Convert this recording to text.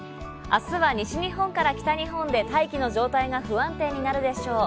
あすは西日本から北日本で、大気の状態が不安定になるでしょう。